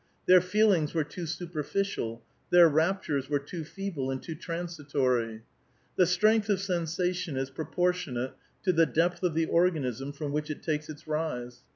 Their feelings were too superficial; their raptures were too feeble and too transitory." "The strength of sensation is proportionate to the depth of the organism from which it takes its rise.